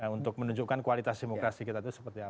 untuk menunjukkan kualitas demokrasi kita itu seperti apa